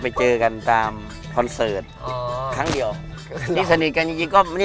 เรื่องแรกที่เราเล่นด้วยกันครับ